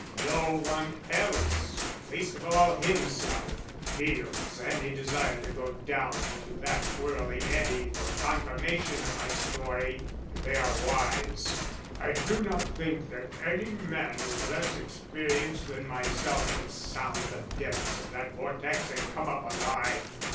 No one else, least of all himself, feels any desire to go down to that whirling eddy for confirmation of my story. And they are wise. I do not think that any man with less experience than myself could sound the depths of that vortex and come up alive.